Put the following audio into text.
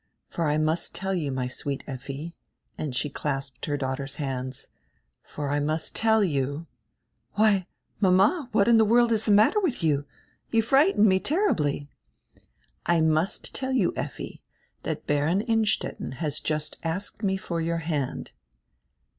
For I must tell you, my sweet Effi —" and she clasped her daughter's hands — "for I must tell you —" "Why, mama, what in die world is die matter with you? You frighten me terribly." "I must tell you, Effi, that Baron Innstetten has just asked me for your hand."